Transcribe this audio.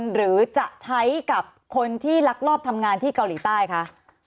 หรือจะใช้กับคนที่ลักลอบทำงานที่เกาหลีใต้คะ